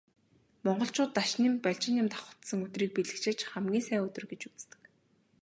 Монголчууд Дашням, Балжинням давхацсан өдрийг бэлгэшээж хамгийн сайн өдөр гэж үздэг.